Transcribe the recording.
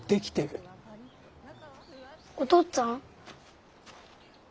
・おとっつぁん？